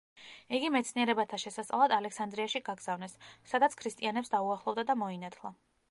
იგი მეცნიერებათა შესასწავლად ალექსანდრიაში გაგზავნეს, სადაც ქრისტიანებს დაუახლოვდა და მოინათლა.